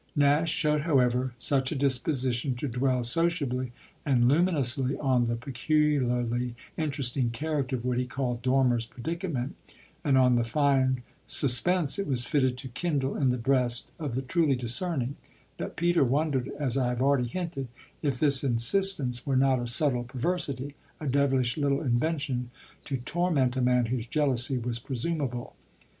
Nash showed, however, such a disposition to dwell sociably and luminously on the peculiarly interesting character of what he called Dormer's predicament and on the fine suspense it was fitted to kindle in the breast of the truly discerning, that Peter wondered, as I have already hinted, if this insistence were not a subtle perversity, a devilish little invention to torment a man whose jealousy was presumable.